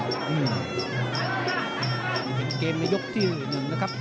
นี่เป็นเกมในยกที่๑นะครับ